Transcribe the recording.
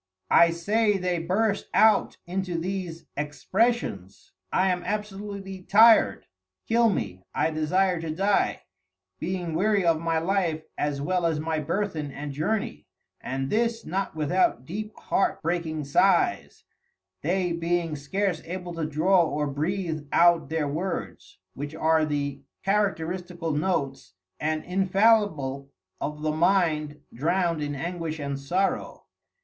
_) I say they burst out into these Expressions, I am absolutely tir'd, kill me, I desire to dye, being weary of my Life as well as my Burthen and Journey: And this not without deep Heart breaking Sighs, they being scarce able to draw or breathe out their words, which are the Characteristical Notes, and infallible of the Mind drowned in Anguish and Sorrow.